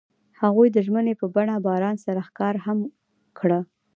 هغوی د ژمنې په بڼه باران سره ښکاره هم کړه.